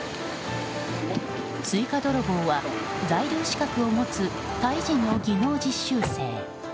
スイカ泥棒は在留資格を持つタイ人の技能実習生。